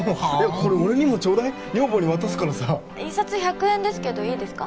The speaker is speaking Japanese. これ俺にもちょうだい女房に渡すからさ１冊１００円ですけどいいですか？